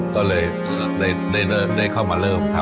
ก็เลยได้เข้ามาเริ่มทำ